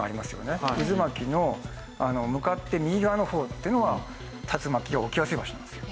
渦巻きの向かって右側の方っていうのは竜巻が起きやすい場所なんですよ。